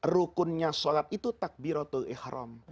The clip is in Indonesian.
rukunnya sholat itu takbiratul ikhram